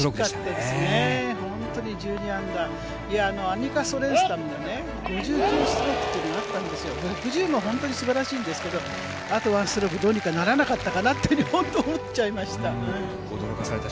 本当に１２アンダー、アニカ・ソレンスタムがですね、５９ストロークっていうのあったんですけど、６０も本当にすばらしいんですけど、あと１ストローク、どうにかならなかったのかなって、本当に思っちゃいました。